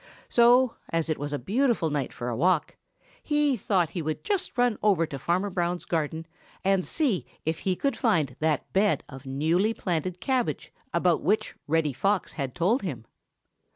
So, as it was a beautiful night for a walk, he thought he would just run over to Farmer Brown's garden and see if he could find that bed of newly planted cabbage, about which Reddy Fox had told him.